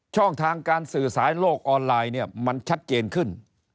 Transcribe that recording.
ช่องทางการสื่อสายโลกออนไลน์เนี่ยมันชัดเจนขึ้น